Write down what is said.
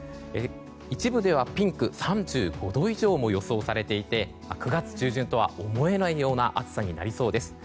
一部ではピンク３５度以上も予想されていて９月中旬とは思えないような暑さになりそうです。